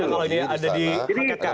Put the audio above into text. kalau ini ada diangkatkan